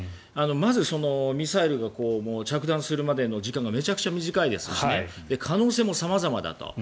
まず、ミサイルが着弾するまでの時間がめちゃくちゃ短いですし可能性も様々だと。